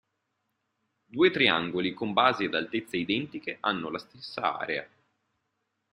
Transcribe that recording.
Due triangoli con base ed altezza identiche hanno la stessa area.